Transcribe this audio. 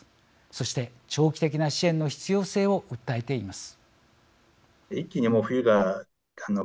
そして長期的な支援の必要性を訴えています。